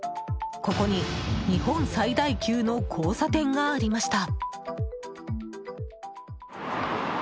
ここに日本最大級の交差点がありました。